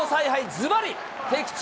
ずばり的中。